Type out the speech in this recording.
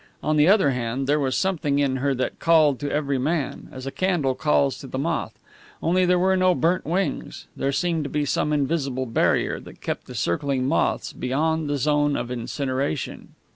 On the other hand, there was something in her that called to every man, as a candle calls to the moth; only there were no burnt wings; there seemed to be some invisible barrier that kept the circling moths beyond the zone of incineration.